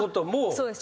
そうです。